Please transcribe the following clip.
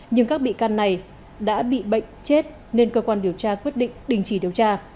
nhưng các bị can này đã bị bệnh chết nên cơ quan điều tra quyết định đình chỉ điều tra